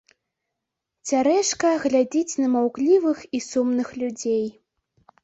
Цярэшка глядзіць на маўклівых і сумных людзей.